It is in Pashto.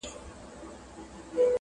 شیخه څنګه ستا د حورو کیسې واورم!.